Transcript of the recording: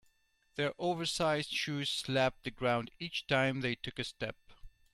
Their oversized shoes slapped the ground each time they took a step.